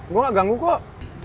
gua ga ganggu kok